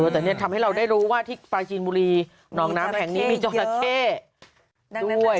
แต่นี่ทำให้เราได้รู้ว่าที่ปลาจีนบุรีหนองน้ำแห่งนี้มีจราเข้ด้วย